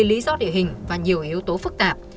lý do địa hình và nhiều yếu tố phức tạp